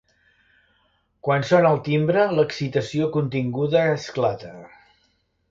Quan sona el timbre l'excitació continguda esclata.